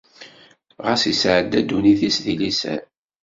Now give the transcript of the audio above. Ɣas isɛedda ddunit-is di liser.